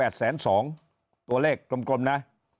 ตัวเลขกลมนะ